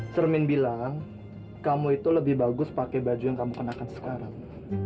cermin bilang kamu itu lebih bagus pakai baju yang kamu kenakan sekarang